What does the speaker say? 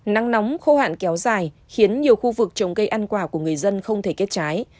nắng nóng khô hạn kéo dài khiến nhiều khu vực trồng cây ăn quả của người dân không thể kết trái